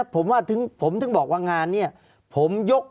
ภารกิจสรรค์ภารกิจสรรค์